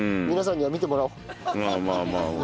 皆さんには見てもらおう。